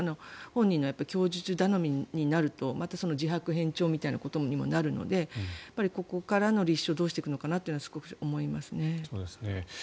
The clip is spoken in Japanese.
本人の供述頼みになるとまた自白偏重みたいなことにもなるのでここからの立証をどうしていくのかはすごく思いますね。